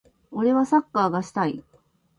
俺はサッカーがしたい。